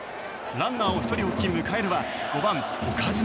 ランナーを１人置き迎えるは５番、岡島。